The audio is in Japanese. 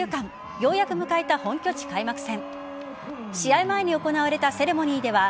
ようやく迎えた本拠地開幕戦。